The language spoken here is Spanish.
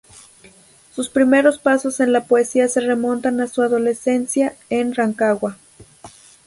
Sus primeros pasos en la poesía se remontan a su adolescencia en Rancagua.